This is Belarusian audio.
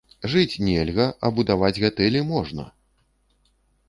Жыць нельга, а будаваць гатэлі можна?!